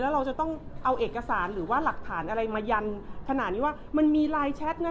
เราจะต้องเอาเอกสารหรือว่าหลักฐานอะไรมายันขนาดนี้ว่ามันมีไลน์แชทนะ